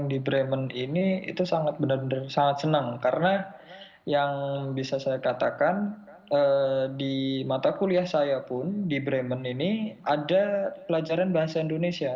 di bremen ini itu sangat benar benar sangat senang karena yang bisa saya katakan di mata kuliah saya pun di bremen ini ada pelajaran bahasa indonesia